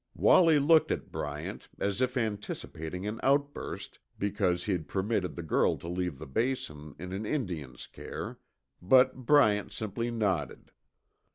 Wallie looked at Bryant as if anticipating an outburst because he'd permitted the girl to leave the Basin in an Indian's care, but Bryant simply nodded.